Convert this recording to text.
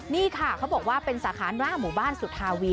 นี่ค่ะเขาบอกว่าเป็นสาขาหน้าหมู่บ้านสุธาวี